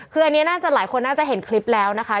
คืออันนี้น่าจะหลายคนน่าจะเห็นคลิปแล้วนะคะ